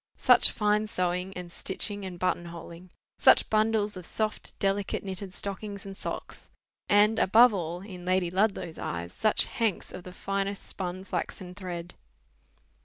Such fine sewing, and stitching, and button holing! Such bundles of soft delicate knitted stockings and socks; and, above all, in Lady Ludlow's eyes, such hanks of the finest spun flaxen thread!